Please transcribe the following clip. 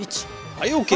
はいＯＫ！